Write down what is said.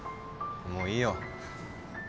もういいよ。